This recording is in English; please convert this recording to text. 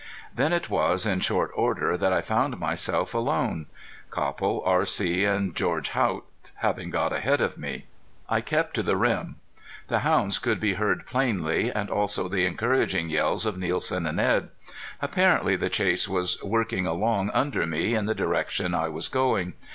Then it was in short order that I found myself alone, Copple, R.C. and George Haught having got ahead of me. I kept to the rim. The hounds could be heard plainly and also the encouraging yells of Nielsen and Edd. Apparently the chase was working along under me, in the direction I was going.